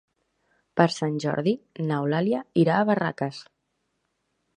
Per Sant Jordi n'Eulàlia irà a Barraques.